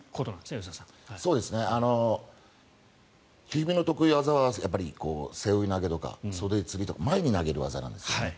一二三の得意技は背負い投げとか袖釣りとか前に投げる技なんですね。